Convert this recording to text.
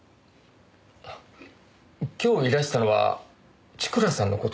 今日いらしたのは千倉さんの事ですよね？